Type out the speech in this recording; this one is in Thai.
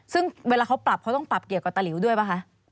ซึ่งเวลาเขาปรับเขาต้องปรับเกี่ยวกับตะหลิวด้วยป่ะคะ